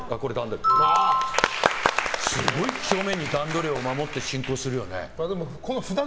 すごい几帳面に段取り守って進行するよね。